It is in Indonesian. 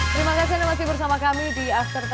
terima kasih anda masih bersama kami di after sepuluh